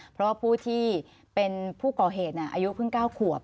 เพราะว่าผู้ที่เป็นผู้ก่อเหตุอายุเพิ่ง๙ขวบ